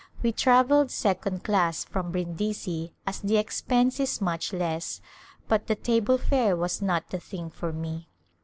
We travelled second class from Brindisi as the expense is much less, but the table fare was not the thing for me.